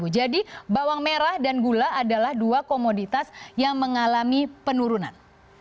jadi bawang merah dan gula adalah dua komoditas yang mengalami penurunan